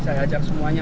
saya ajak semuanya